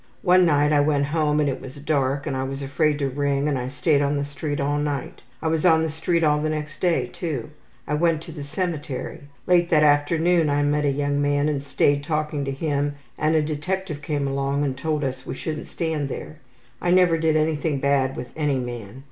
One night I went home and it was all dark and I was afraid to ring and I stayed on the street all night. I was on the street all the next day too. I went to the cemetery. Late that afternoon I met a young man and stayed talking to him and a detective came along and told us we shouldn't stand there. I never did anything bad with any man.